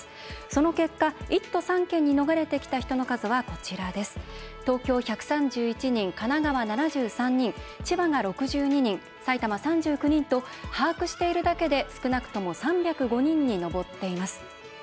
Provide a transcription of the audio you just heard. その結果、１都３県に逃れてきた人の数は東京１３１人、神奈川７３人千葉が６２人、埼玉３９人と把握しているだけで少なくとも３０５人に上っています。